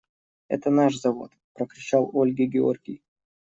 – Это наш завод! – прокричал Ольге Георгий.